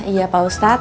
iya pak ustadz